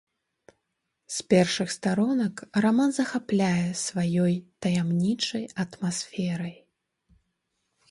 З першых старонак раман захапляе сваёй таямнічай атмасферай.